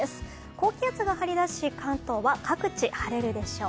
高気圧が張り出し関東は各地晴れるでしょう。